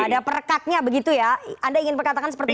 ada perekatnya begitu ya anda ingin perkatakan seperti itu